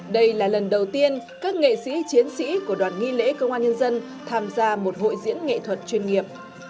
đây là lần đầu tiên các nghệ sĩ chiến sĩ của đoàn nghi lễ công an nhân dân tham gia một hội diễn nghệ thuật chuyên nghiệp